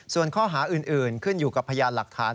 ส่วนข้อหาอื่นขึ้นอยู่กับพยานหลักฐาน